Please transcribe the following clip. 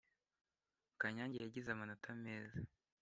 kanyange yagize amanota meza